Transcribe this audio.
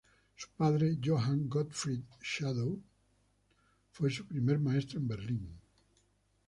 Su padre, Johann Gottfried Schadow fue su primer maestro en Berlín.